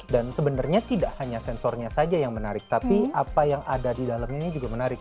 dan sebenarnya tidak hanya sensornya saja yang menarik tapi apa yang ada di dalamnya ini juga menarik